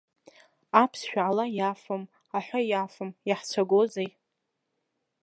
Аԥсшәа ала иафом, аҳәа иафом, иаҳцәагозеи?!